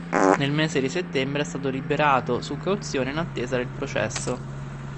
Nel mese di settembre è stato liberato su cauzione in attesa del processo.